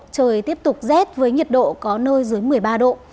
trời tiếp tục rét với nhiệt độ có nơi dưới một mươi ba độ